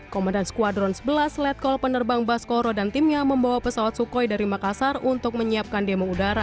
komandan skuadron sebelas letkol penerbang baskoro dan timnya membawa pesawat sukhoi dari makassar untuk menyiapkan demo udara